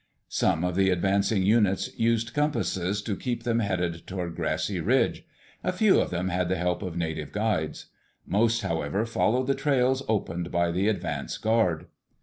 Some of the advancing units used compasses to keep them headed toward Grassy Ridge. A few of them had the help of native guides. Most, however, followed the trails opened by the advance guard.